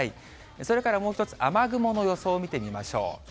それからもう一つ、雨雲の予想を見てみましょう。